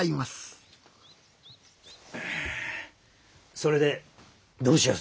それでどうしやす？